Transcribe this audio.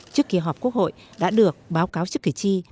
trước kỳ họp quốc hội đã được báo cáo trước cử tri